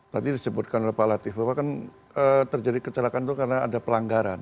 tadi disebutkan oleh pak latif bahwa kan terjadi kecelakaan itu karena ada pelanggaran